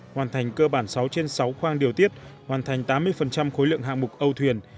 hoàn thành cơ bản sáu trên sáu khoang điều tiết hoàn thành tám mươi khối lượng hạng mục âu thuyền